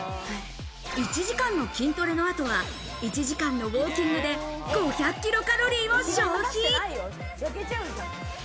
１時間の筋トレの後は１時間のウォーキングで５００キロカロリーを消費。